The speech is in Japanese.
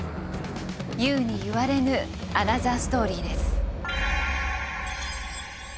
言うに言われぬアナザーストーリーです。